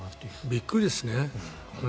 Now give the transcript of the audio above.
びっくりですね。